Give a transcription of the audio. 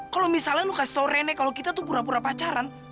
kalo misalnya lo kasih tau ren kalo kita tuh pura pura pacaran